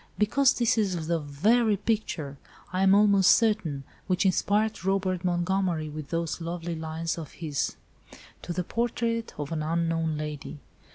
"Because this is the very picture, I am almost certain, which inspired Robert Montgomery with those lovely lines of his: 'To the Portrait of an Unknown Lady.